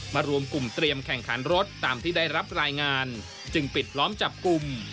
รวมกลุ่มเตรียมแข่งขันรถตามที่ได้รับรายงานจึงปิดล้อมจับกลุ่ม